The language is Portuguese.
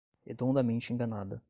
Redondamente enganada